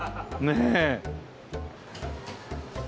ねえ。